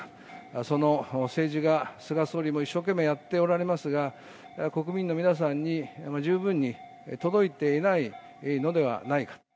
その政治が、菅総理も一生懸命やっておられますが、国民の皆さんに十分に届いていないのではないか。